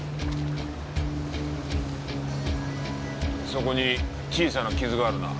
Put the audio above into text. そこに小さな傷があるな。